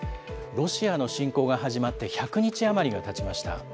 ロシアの侵攻が始まって１００日余りがたちました。